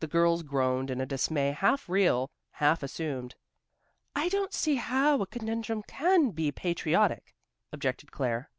The girls groaned in a dismay half real, half assumed. "I don't see how a conundrum can be patriotic," objected Claire.